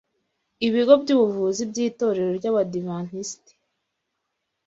ibigo by’ubuvuzi by’Itorero ry’Abadiventisti